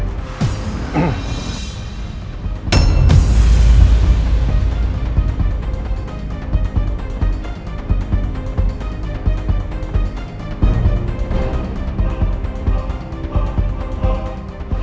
semua akan baik baik aja